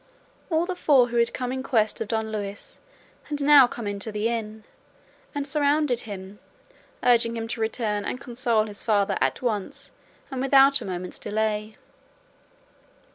All the four who had come in quest of Don Luis had now come into the inn and surrounded him, urging him to return and console his father at once and without a moment's delay.